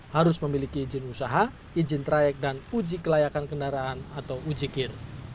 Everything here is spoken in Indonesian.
harus memiliki izin usaha izin trayek dan uji kelayakan kendaraan atau uji kir